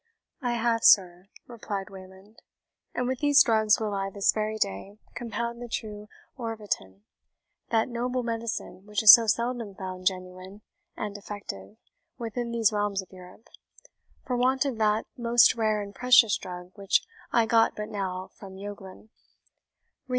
"I have, sir," replied Wayland; "and with these drugs will I, this very day, compound the true orvietan, that noble medicine which is so seldom found genuine and effective within these realms of Europe, for want of that most rare and precious drug which I got but now from Yoglan."